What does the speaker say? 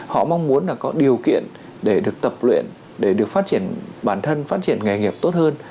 họ mong muốn là có điều kiện để được tập luyện để được phát triển bản thân phát triển nghề nghiệp tốt hơn